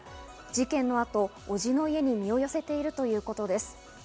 事件の後、伯父の家に身を寄せているということです。